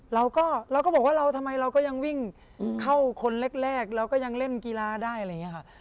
เราก็เราก็บอกว่าเราทำไมเราก็ยังวิ่งเข้าคนแรกเราก็ยังเล่นกีฬาได้อะไรอย่างนี้ค่ะ